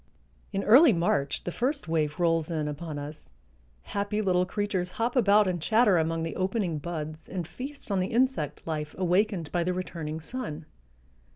In early March the first wave rolls in upon us; happy little creatures hop about and chatter among the opening buds and feast on the insect life awakened by the returning sun.